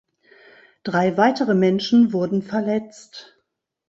Drei weitere Menschen wurden verletzt.